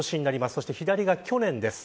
そして左が去年です。